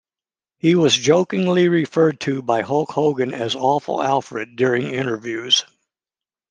He was jokingly referred to by Hulk Hogan as "Awful Alfred" during interviews.